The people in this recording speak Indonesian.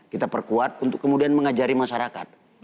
kita perkuat untuk kemudian mengajari masyarakat